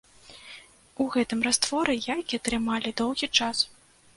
У гэтым растворы яйкі трымалі доўгі час.